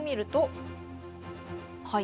はい。